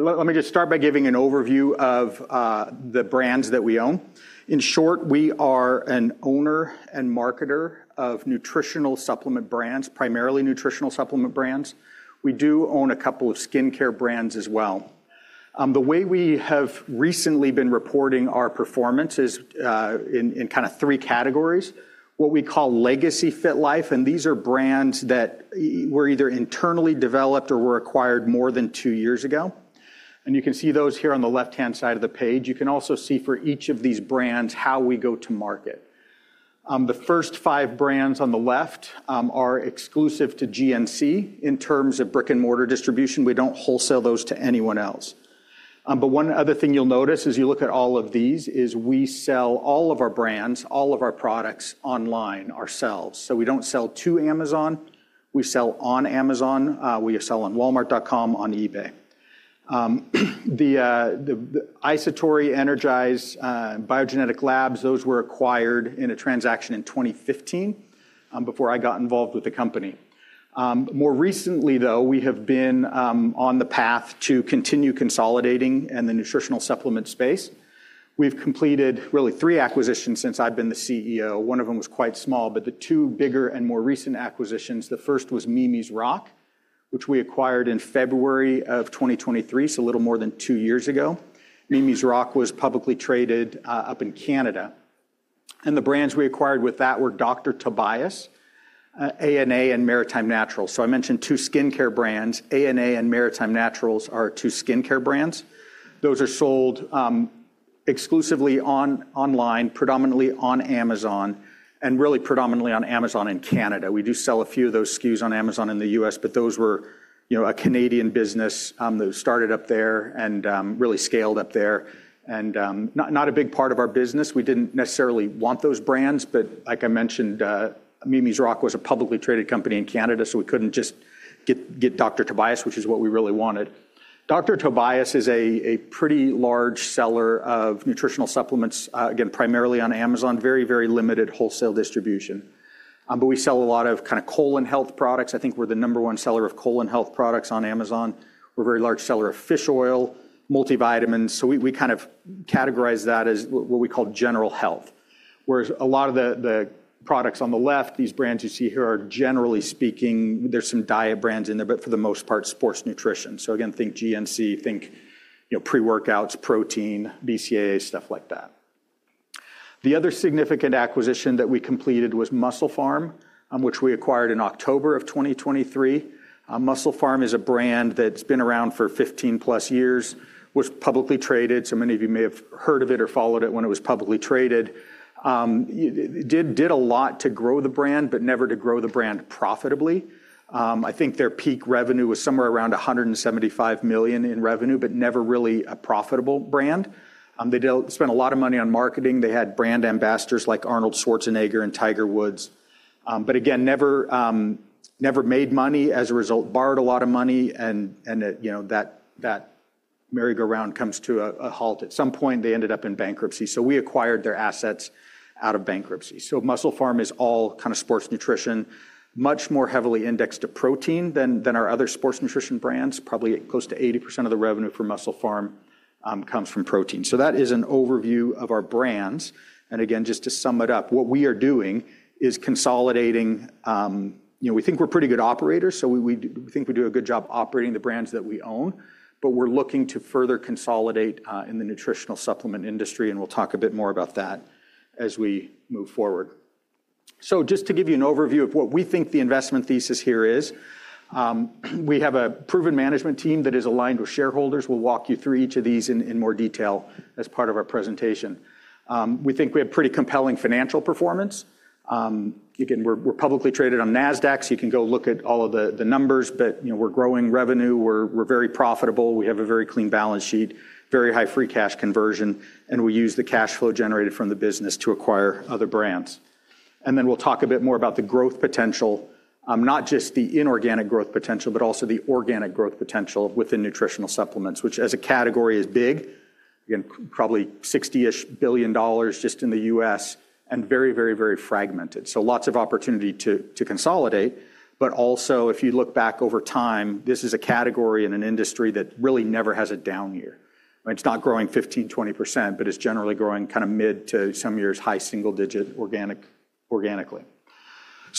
Let me just start by giving an overview of the brands that we own. In short, we are an owner and marketer of nutritional supplement brands, primarily nutritional supplement brands. We do own a couple of skincare brands as well. The way we have recently been reporting our performance is in kind of three categories: what we call legacy FitLife, and these are brands that were either internally developed or were acquired more than two years ago. You can see those here on the left-hand side of the page. You can also see for each of these brands how we go to market. The first five brands on the left are exclusive to GNC in terms of brick-and-mortar distribution. We do not wholesale those to anyone else. One other thing you'll notice as you look at all of these is we sell all of our brands, all of our products, online ourselves. We do not sell to Amazon. We sell on Amazon. We sell on Walmart.com, on eBay. The Isatori, Energize, Biogenetic Labs, those were acquired in a transaction in 2015 before I got involved with the company. More recently, though, we have been on the path to continue consolidating in the nutritional supplement space. We've completed really three acquisitions since I've been the CEO. One of them was quite small, but the two bigger and more recent acquisitions, the first was Mimi's Rock, which we acquired in February of 2023, so a little more than two years ago. Mimi's Rock was publicly traded up in Canada. The brands we acquired with that were Dr. Tobias, ANA, and Maritime Naturals. I mentioned two skincare brands. ANA and Maritime Naturals are two skincare brands. Those are sold exclusively online, predominantly on Amazon, and really predominantly on Amazon in Canada. We do sell a few of those SKUs on Amazon in the U.S., but those were a Canadian business that started up there and really scaled up there. Not a big part of our business. We did not necessarily want those brands, but like I mentioned, Mimi's Rock was a publicly traded company in Canada, so we could not just get Dr. Tobias, which is what we really wanted. Dr. Tobias is a pretty large seller of nutritional supplements, again, primarily on Amazon, very, very limited wholesale distribution. We sell a lot of kind of colon health products. I think we are the number one seller of colon health products on Amazon. We are a very large seller of fish oil, multivitamins. We kind of categorize that as what we call general health, whereas a lot of the products on the left, these brands you see here, are, generally speaking, there's some diet brands in there, but for the most part, sports nutrition. Again, think GNC, think pre-workouts, protein, BCAA, stuff like that. The other significant acquisition that we completed was MusclePharm, which we acquired in October of 2023. MusclePharm is a brand that's been around for 15 plus years, was publicly traded. Many of you may have heard of it or followed it when it was publicly traded. Did a lot to grow the brand, but never to grow the brand profitably. I think their peak revenue was somewhere around $175 million in revenue, but never really a profitable brand. They spent a lot of money on marketing. They had brand ambassadors like Arnold Schwarzenegger and Tiger Woods. Never made money as a result, borrowed a lot of money, and that merry-go-round comes to a halt at some point. They ended up in bankruptcy. We acquired their assets out of bankruptcy. MusclePharm is all kind of sports nutrition, much more heavily indexed to protein than our other sports nutrition brands. Probably close to 80% of the revenue for MusclePharm comes from protein. That is an overview of our brands. Just to sum it up, what we are doing is consolidating. We think we're pretty good operators, so we think we do a good job operating the brands that we own, but we're looking to further consolidate in the nutritional supplement industry, and we'll talk a bit more about that as we move forward. Just to give you an overview of what we think the investment thesis here is, we have a proven management team that is aligned with shareholders. We'll walk you through each of these in more detail as part of our presentation. We think we have pretty compelling financial performance. We're publicly traded on Nasdaq, so you can go look at all of the numbers, but we're growing revenue. We're very profitable. We have a very clean balance sheet, very high free cash conversion, and we use the cash flow generated from the business to acquire other brands. We'll talk a bit more about the growth potential, not just the inorganic growth potential, but also the organic growth potential within nutritional supplements, which as a category is big, again, probably $60ish billion just in the US and very, very, very fragmented. Lots of opportunity to consolidate, but also if you look back over time, this is a category in an industry that really never has a down year. It's not growing 15%-20%, but it's generally growing kind of mid to some years high single-digit organically.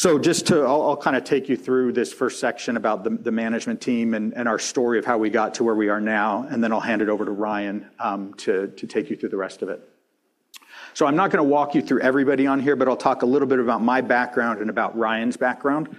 I'll kind of take you through this first section about the management team and our story of how we got to where we are now, and then I'll hand it over to Ryan to take you through the rest of it. I'm not going to walk you through everybody on here, but I'll talk a little bit about my background and about Ryan's background.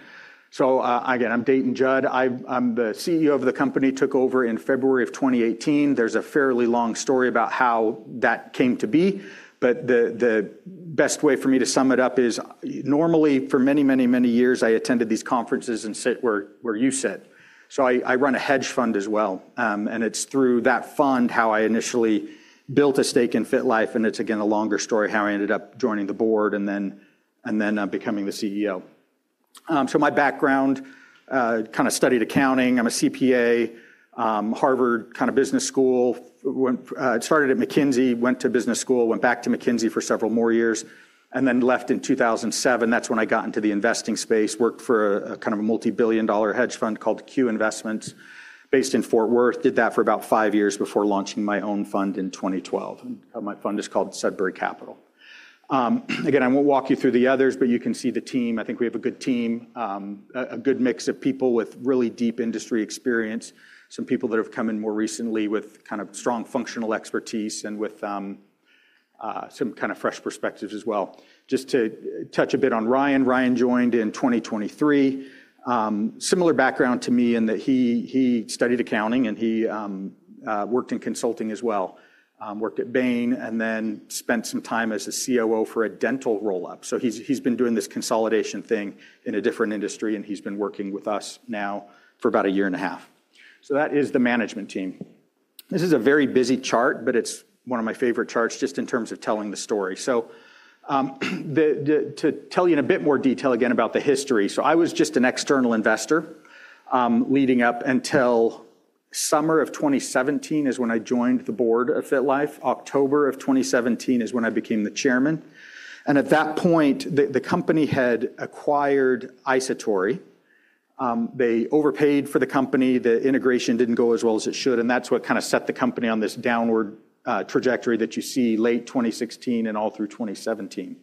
Again, I'm Dayton Judd. I'm the CEO of the company, took over in February of 2018. There's a fairly long story about how that came to be, but the best way for me to sum it up is normally for many, many, many years, I attended these conferences where you sit. I run a hedge fund as well, and it's through that fund how I initially built a stake in FitLife, and it's again a longer story how I ended up joining the board and then becoming the CEO. My background, kind of studied accounting. I'm a CPA, Harvard kind of business school, started at McKinsey, went to business school, went back to McKinsey for several more years, and then left in 2007. That's when I got into the investing space, worked for a kind of multi-billion dollar hedge fund called Q Investments based in Fort Worth, did that for about five years before launching my own fund in 2012. My fund is called Sudbury Capital. Again, I won't walk you through the others, but you can see the team. I think we have a good team, a good mix of people with really deep industry experience, some people that have come in more recently with kind of strong functional expertise and with some kind of fresh perspectives as well. Just to touch a bit on Ryan, Ryan joined in 2023. Similar background to me in that he studied accounting and he worked in consulting as well, worked at Bain & Company, and then spent some time as a COO for a dental roll-up. He's been doing this consolidation thing in a different industry, and he's been working with us now for about a year and a half. That is the management team. This is a very busy chart, but it's one of my favorite charts just in terms of telling the story. To tell you in a bit more detail again about the history, I was just an external investor leading up until summer of 2017, is when I joined the board of FitLife. October of 2017 is when I became the chairman. At that point, the company had acquired Isatori. They overpaid for the company. The integration didn't go as well as it should, and that's what kind of set the company on this downward trajectory that you see late 2016 and all through 2017.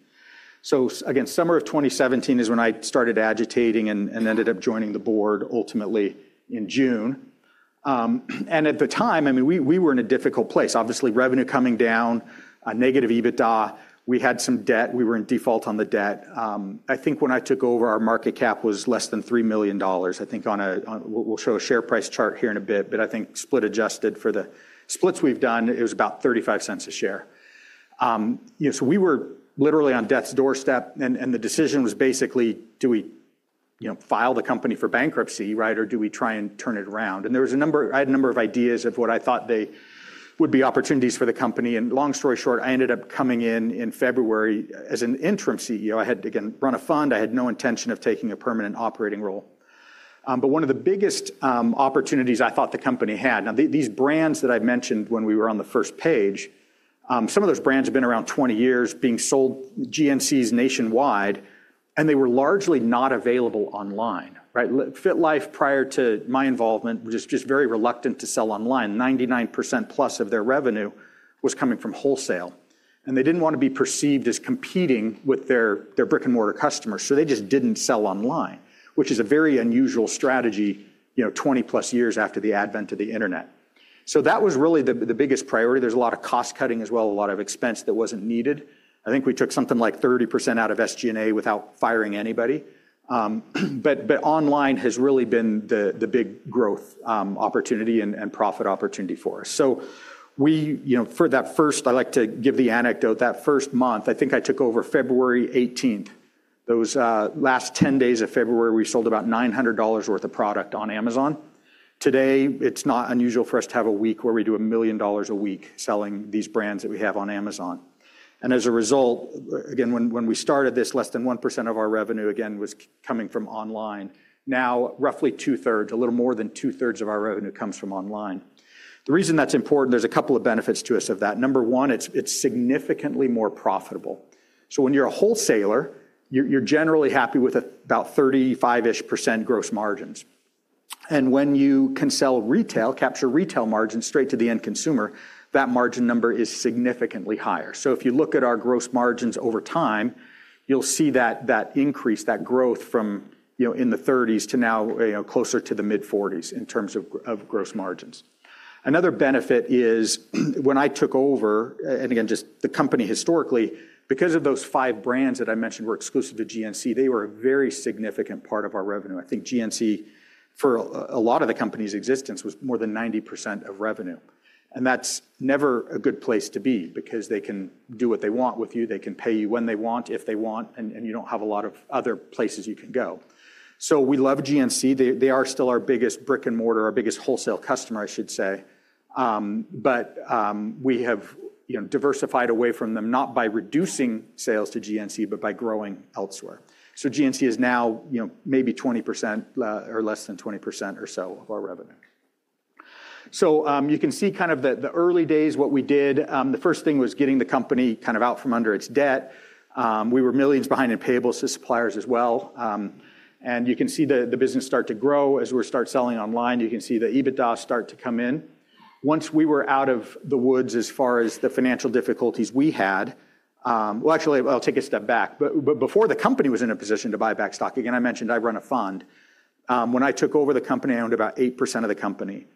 Again, summer of 2017 is when I started agitating and ended up joining the board ultimately in June. At the time, I mean, we were in a difficult place, obviously, revenue coming down, negative EBITDA. We had some debt. We were in default on the debt. I think when I took over, our market cap was less than $3 million. I think we'll show a share price chart here in a bit, but I think split adjusted for the splits we've done, it was about 35 cents a share. We were literally on death's doorstep, and the decision was basically, do we file the company for bankruptcy, right, or do we try and turn it around? There was a number, I had a number of ideas of what I thought would be opportunities for the company. Long story short, I ended up coming in in February as an interim CEO. I had, again, run a fund, I had no intention of taking a permanent operating role. One of the biggest opportunities I thought the company had, now these brands that I mentioned when we were on the first page, some of those brands have been around 20 years being sold GNCs nationwide, and they were largely not available online. FitLife, prior to my involvement, was just very reluctant to sell online. 99% plus of their revenue was coming from wholesale, and they did not want to be perceived as competing with their brick-and-mortar customers. They just did not sell online, which is a very unusual strategy 20 plus years after the advent of the internet. That was really the biggest priority. There is a lot of cost cutting as well, a lot of expense that was not needed. I think we took something like 30% out of SG&A without firing anybody. Online has really been the big growth opportunity and profit opportunity for us. For that first, I like to give the anecdote. That first month, I think I took over February 18th. Those last 10 days of February, we sold about $900 worth of product on Amazon. Today, it's not unusual for us to have a week where we do $1 million a week selling these brands that we have on Amazon. As a result, again, when we started this, less than 1% of our revenue again was coming from online. Now, roughly two-thirds, a little more than two-thirds of our revenue comes from online. The reason that's important, there's a couple of benefits to us of that. Number one, it's significantly more profitable. When you're a wholesaler, you're generally happy with about 35ish % gross margins. When you can sell retail, capture retail margins straight to the end consumer, that margin number is significantly higher. If you look at our gross margins over time, you'll see that increase, that growth from in the 30s to now closer to the mid-40s in terms of gross margins. Another benefit is when I took over, an d again, just the company historically, because of those five brands that I mentioned were exclusive to GNC, they were a very significant part of our revenue. I think GNC, for a lot of the company's existence, was more than 90% of revenue. That's never a good place to be because they can do what they want with you. They can pay you when they want, if they want, and you don't have a lot of other places you can go. We love GNC. They are still our biggest brick-and-mortar, our biggest wholesale customer, I should say. We have diversified away from them, not by reducing sales to GNC, but by growing elsewhere. GNC is now maybe 20% or less than 20% or so of our revenue. You can see kind of the early days, what we did, the first thing was getting the company kind of out from under its debt. We were millions behind in payables to suppliers as well. You can see the business start to grow as we start selling online. You can see the EBITDA start to come in. Once we were out of the woods as far as the financial difficulties we had, actually, I'll take a step back. Before the company was in a position to buy back stock, again, I mentioned I run a fund. When I took over the company, I owned about 8% of the company.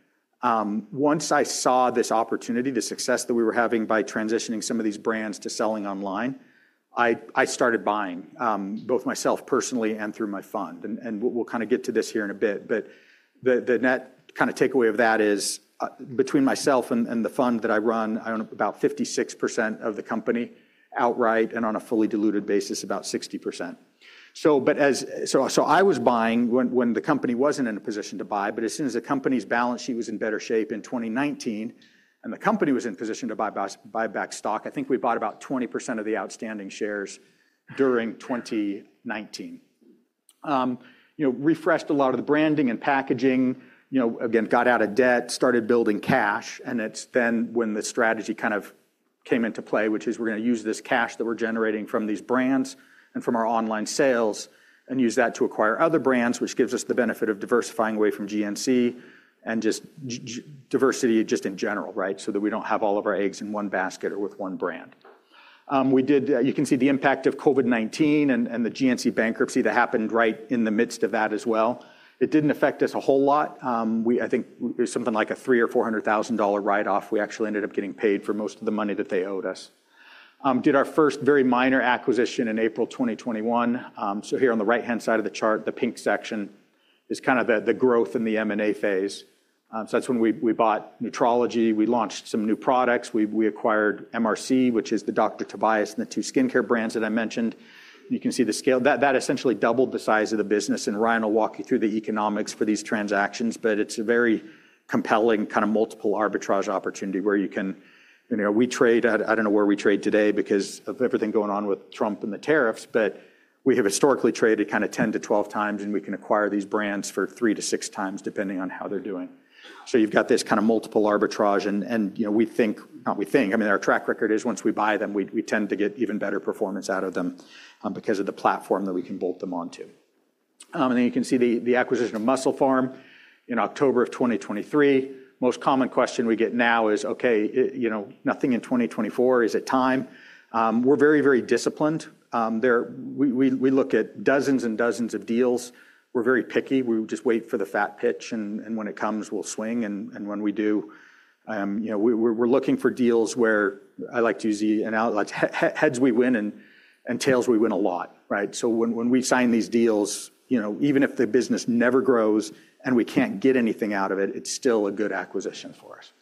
Once I saw this opportunity, the success that we were having by transitioning some of these brands to selling online, I started buying both myself personally and through my fund. We will kind of get to this here in a bit. The net kind of takeaway of that is between myself and the fund that I run, I own about 56% of the company outright and on a fully diluted basis, about 60%. I was buying when the company was not in a position to buy, but as soon as the company's balance sheet was in better shape in 2019 and the company was in position to buy back stock, I think we bought about 20% of the outstanding shares during 2019. Refreshed a lot of the branding and packaging, again, got out of debt, started building cash, and it's then when the strategy kind of came into play, which is we're going to use this cash that we're generating from these brands and from our online sales and use that to acquire other brands, which gives us the benefit of diversifying away from GNC and just diversity just in general, right? So that we don't have all of our eggs in one basket or with one brand. You can see the impact of COVID-19 and the GNC bankruptcy that happened right in the midst of that as well. It didn't affect us a whole lot. I think it was something like a $300,000 or $400,000 write-off. We actually ended up getting paid for most of the money that they owed us. Did our first very minor acquisition in April 2021. Here on the right-hand side of the chart, the pink section is kind of the growth in the M&A phase. That is when we bought Nutrology. We launched some new products. We acquired MRC, which is the Dr. Tobias and the two skincare brands that I mentioned. You can see the scale. That essentially doubled the size of the business, and Ryan will walk you through the economics for these transactions, but it is a very compelling kind of multiple arbitrage opportunity where we trade, I do not know where we trade today because of everything going on with Trump and the tariffs, but we have historically traded kind of 10-12 times, and we can acquire these brands for 3 to 6 times depending on how they are doing. You have this kind of multiple arbitrage, and we think, not we think, I mean, our track record is once we buy them, we tend to get even better performance out of them because of the platform that we can bolt them onto. You can see the acquisition of MusclePharm in October of 2023. Most common question we get now is, okay, nothing in 2024, is it time? We are very, very disciplined. We look at dozens and dozens of deals. We are very picky. We just wait for the fat pitch, and when it comes, we will swing. When we do, we are looking for deals where I like to use the heads we win and tails we win a lot, right? When we sign these deals, even if the business never grows and we can't get anything out of it, it's still a good acquisition for us.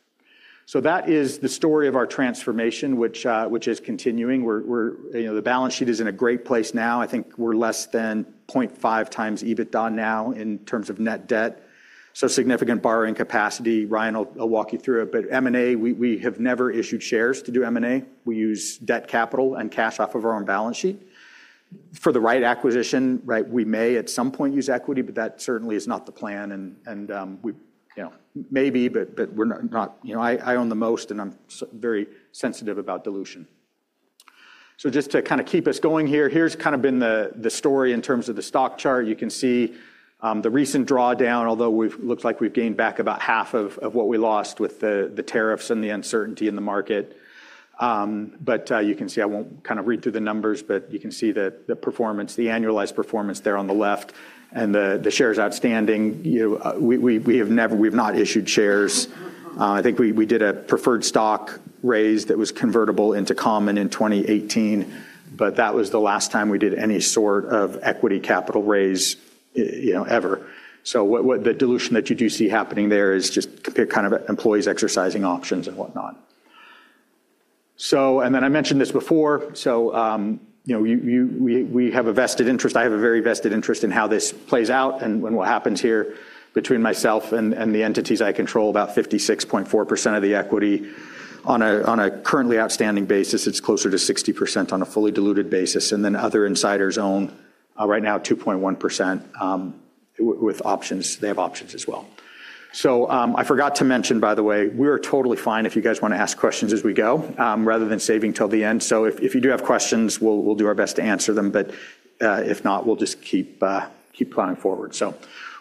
That is the story of our transformation, which is continuing. The balance sheet is in a great place now. I think we're less than 0.5 times EBITDA now in terms of net debt. Significant borrowing capacity. Ryan will walk you through it. M&A, we have never issued shares to do M&A. We use debt capital and cash off of our own balance sheet. For the right acquisition, we may at some point use equity, but that certainly is not the plan. Maybe, but we're not. I own the most, and I'm very sensitive about dilution. Just to kind of keep us going here, here's kind of been the story in terms of the stock chart. You can see the recent drawdown, although it looks like we've gained back about half of what we lost with the tariffs and the uncertainty in the market. You can see, I won't kind of read through the numbers, but you can see the performance, the annualized performance there on the left, and the shares outstanding. We have not issued shares. I think we did a preferred stock raise that was convertible into common in 2018, but that was the last time we did any sort of equity capital raise ever. The dilution that you do see happening there is just kind of employees exercising options and whatnot. I mentioned this before. We have a vested interest. I have a very vested interest in how this plays out and what happens here between myself and the entities I control, about 56.4% of the equity. On a currently outstanding basis, it's closer to 60% on a fully diluted basis. Other insiders own right now 2.1% with options. They have options as well. I forgot to mention, by the way, we are totally fine if you guys want to ask questions as we go rather than saving till the end. If you do have questions, we'll do our best to answer them, but if not, we'll just keep plowing forward.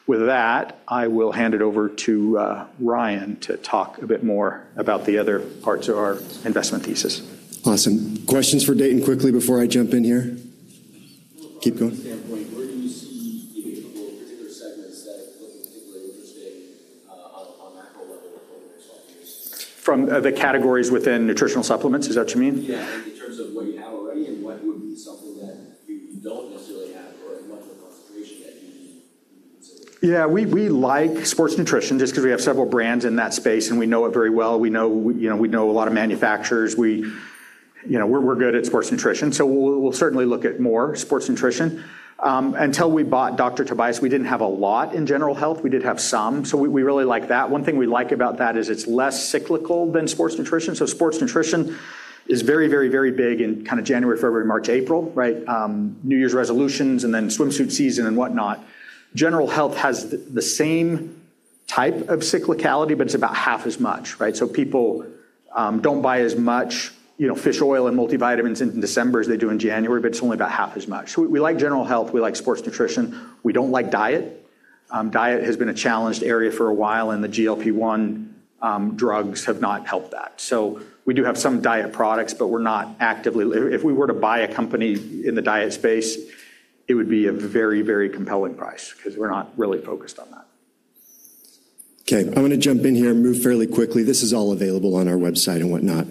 With that, I will hand it over to Ryan to talk a bit more about the other parts of our investment thesis. Awesome. Questions for Dayton quickly before I jump in here? Keep going. From your standpoint, where do you see a couple of particular segments that look particularly interesting on a macro level for the next five years? From the categories within nutritional supplements, is that what you mean? Yeah. In terms of what you have already and what would be something that you don't necessarily have or much of a concentration that you need to consider? Yeah. We like sports nutrition just because we have several brands in that space, and we know it very well. We know a lot of manufacturers. We're good at sports nutrition. We will certainly look at more sports nutrition. Until we bought Dr. Tobias, we did not have a lot in general health. We did have some. We really like that. One thing we like about that is it is less cyclical than sports nutrition. Sports nutrition is very, very, very big in kind of January, February, March, April, right? New Year's resolutions and then swimsuit season and whatnot. General health has the same type of cyclicality, but it is about half as much, right? People do not buy as much fish oil and multivitamins in December as they do in January, but it is only about half as much. We like general health. We like sports nutrition. We do not like diet. Diet has been a challenged area for a while, and the GLP-1 drugs have not helped that. We do have some diet products, but we are not actively. If we were to buy a company in the diet space, it would be a very, very compelling price because we are not really focused on that. Okay. I am going to jump in here and move fairly quickly. This is all available on our website and whatnot.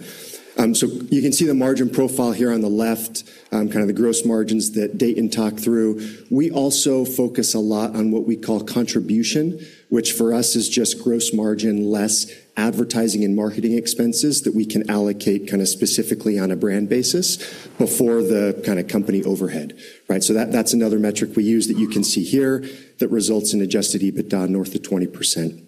You can see the margin profile here on the left, kind of the gross margins that Dayton talked through. We also focus a lot on what we call contribution, which for us is just gross margin less advertising and marketing expenses that we can allocate kind of specifically on a brand basis before the kind of company overhead, right? That's another metric we use that you can see here that results in adjusted EBITDA north of 20%.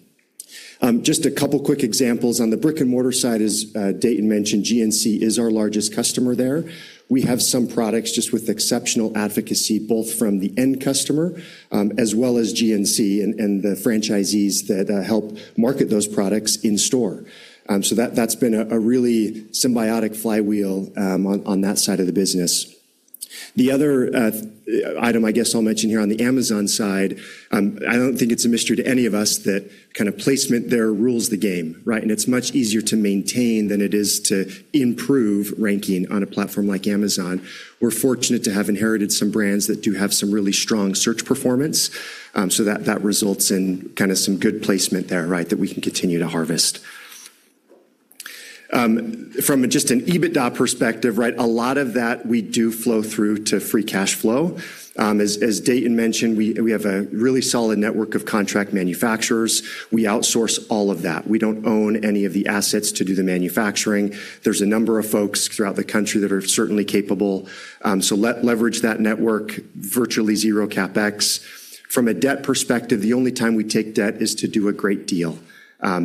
Just a couple of quick examples on the brick-and-mortar side is Dayton mentioned GNC is our largest customer there. We have some products just with exceptional advocacy, both from the end customer as well as GNC and the franchisees that help market those products in store. That's been a really symbiotic flywheel on that side of the business. The other item, I guess I'll mention here on the Amazon side, I don't think it's a mystery to any of us that kind of placement there rules the game, right? It's much easier to maintain than it is to improve ranking on a platform like Amazon. We're fortunate to have inherited some brands that do have some really strong search performance. That results in kind of some good placement there, right, that we can continue to harvest. From just an EBITDA perspective, right, a lot of that we do flow through to free cash flow. As Dayton mentioned, we have a really solid network of contract manufacturers. We outsource all of that. We do not own any of the assets to do the manufacturing. There's a number of folks throughout the country that are certainly capable. Leverage that network, virtually zero CapEx. From a debt perspective, the only time we take debt is to do a great deal.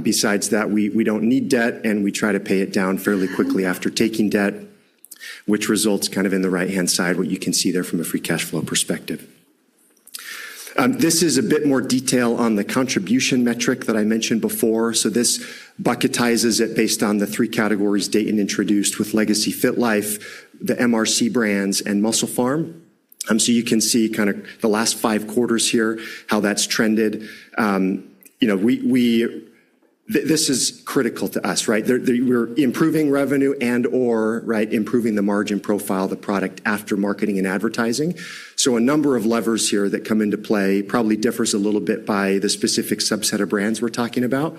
Besides that, we do not need debt, and we try to pay it down fairly quickly after taking debt, which results kind of in the right-hand side, what you can see there from a free cash flow perspective. This is a bit more detail on the contribution metric that I mentioned before. This bucketizes it based on the three categories Dayton introduced, with Legacy FitLife, the MRC brands, and MusclePharm. You can see kind of the last five quarters here, how that has trended. This is critical to us, right? We are improving revenue and/or improving the margin profile of the product after marketing and advertising. A number of levers here come into play, probably differs a little bit by the specific subset of brands we are talking about.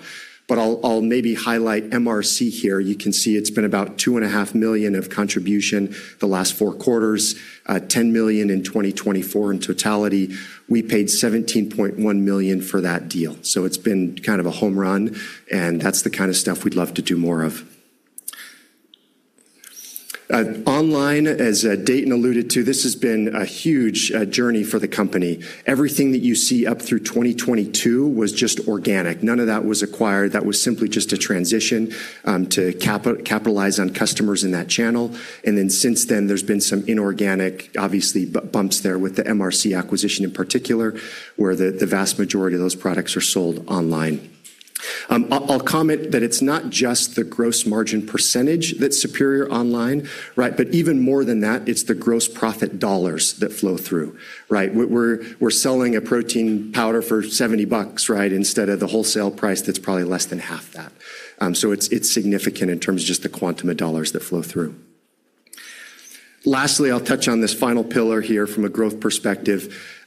I'll maybe highlight MRC here. You can see it has been about $2.5 million of contribution the last four quarters, $10 million in 2024 in totality. We paid $17.1 million for that deal. It has been kind of a home run, and that is the kind of stuff we would love to do more of. Online, as Dayton alluded to, this has been a huge journey for the company. Everything that you see up through 2022 was just organic. None of that was acquired. That was simply just a transition to capitalize on customers in that channel. Since then, there's been some inorganic, obviously, bumps there with the MRC acquisition in particular, where the vast majority of those products are sold online. I'll comment that it's not just the gross margin percentage that's superior online, right? Even more than that, it's the gross profit dollars that flow through, right? We're selling a protein powder for $70 bucks right, instead of the wholesale price that's probably less than half that. It is significant in terms of just the quantum of dollars that flow through. Lastly, I'll touch on this final pillar here from a growth perspective.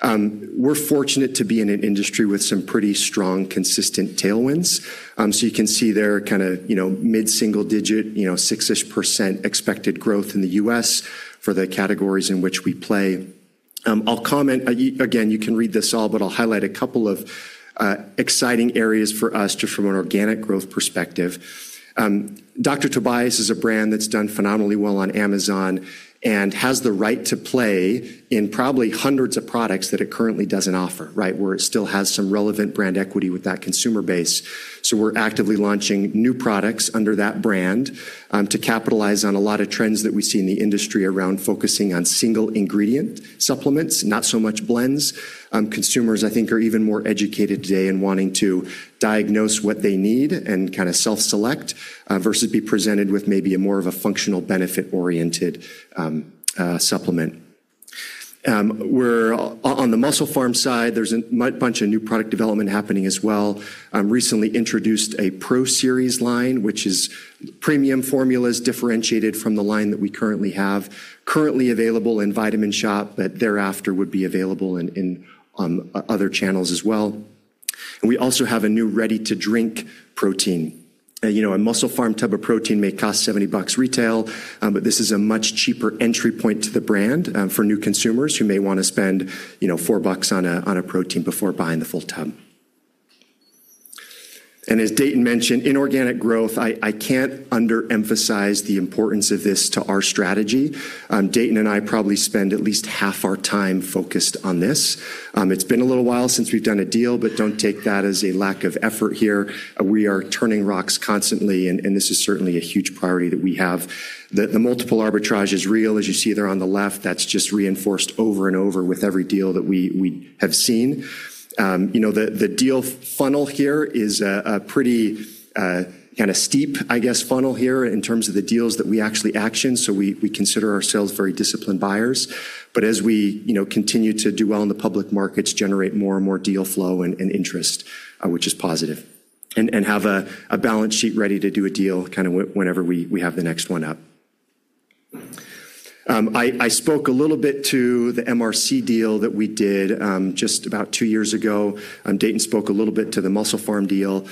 We're fortunate to be in an industry with some pretty strong, consistent tailwinds. You can see there kind of mid-single digit, 6% expected growth in the US for the categories in which we play. I'll comment, again, you can read this all, but I'll highlight a couple of exciting areas for us just from an organic growth perspective. Dr. Tobias is a brand that's done phenomenally well on Amazon and has the right to play in probably hundreds of products that it currently doesn't offer, right? Where it still has some relevant brand equity with that consumer base. We're actively launching new products under that brand to capitalize on a lot of trends that we see in the industry around focusing on single-ingredient supplements, not so much blends. Consumers, I think, are even more educated today and wanting to diagnose what they need and kind of self-select versus be presented with maybe a more of a functional benefit-oriented supplement. On the MusclePharm side, there's a bunch of new product development happening as well. Recently introduced a Pro Series line, which is premium formulas differentiated from the line that we currently have. Currently available in Vitamin Shoppe, but thereafter would be available in other channels as well. We also have a new ready-to-drink protein. A MusclePharm tub of protein may cost $70 bucks retail, but this is a much cheaper entry point to the brand for new consumers who may want to spend $4 bucks on a protein before buying the full tub. As Dayton mentioned, inorganic growth, I can't underemphasize the importance of this to our strategy. Dayton and I probably spend at least half our time focused on this. It's been a little while since we've done a deal, but don't take that as a lack of effort here. We are turning rocks constantly, and this is certainly a huge priority that we have. The multiple arbitrage is real, as you see there on the left. That's just reinforced over and over with every deal that we have seen. The deal funnel here is a pretty kind of steep, I guess, funnel here in terms of the deals that we actually action. We consider ourselves very disciplined buyers. As we continue to do well in the public markets, generate more and more deal flow and interest, which is positive, and have a balance sheet ready to do a deal kind of whenever we have the next one up. I spoke a little bit to the MRC deal that we did just about two years ago. Dayton spoke a little bit to the MusclePharm deal.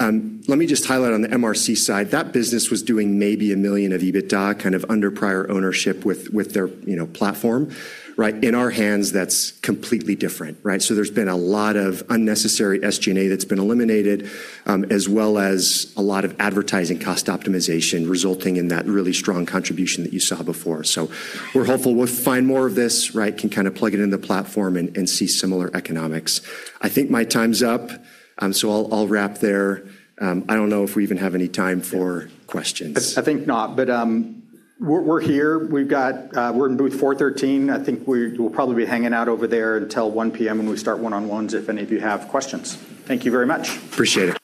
Let me just highlight on the MRC side. That business was doing maybe $1 million of EBITDA, kind of under prior ownership with their platform, right? In our hands, that's completely different, right? There has been a lot of unnecessary SG&A that's been eliminated, as well as a lot of advertising cost optimization resulting in that really strong contribution that you saw before. We're hopeful we'll find more of this, right? Can kind of plug it in the platform and see similar economics. I think my time's up, so I'll wrap there. I don't know if we even have any time for questions. I think not, but we're here. We're in booth 413. I think we'll probably be hanging out over there until 1:00 P.M. when we start one-on-ones if any of you have questions. Thank you very much. Appreciate it.